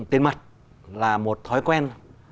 tiền mặt là một thói quen